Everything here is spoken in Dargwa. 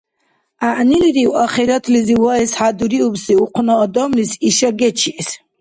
Гӏягӏнилирив ахиратлизи ваэс хӏядуриубси ухъна адамлис иша гечиэс?